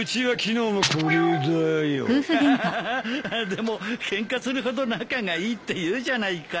でも「ケンカするほど仲がいい」っていうじゃないか。